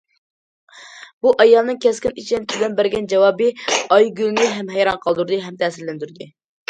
بۇ ئايالنىڭ كەسكىن، ئىشەنچ بىلەن بەرگەن جاۋابى ئايگۈلنى ھەم ھەيران قالدۇردى، ھەم تەسىرلەندۈردى.